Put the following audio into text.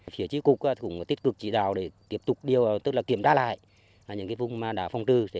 phía trí cục cũng tích cực chỉ đào để kiểm tra lại những vùng đã phong trư